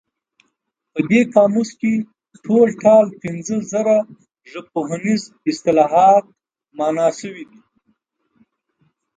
په دې قاموس کې ټول ټال پنځه زره ژبپوهنیز اصطلاحات مانا شوي دي.